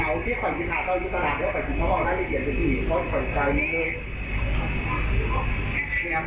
เอาที่ฝั่งยุตราต้องยุตราต้อง๘๐ข้อได้ไม่เปลี่ยนวิธีเพราะฝั่งใจนิดหนึ่ง